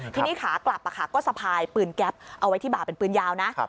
ทีนี้ขากลับก็สะพายปืนแก๊ปเอาไว้ที่บ่าเป็นปืนยาวนะ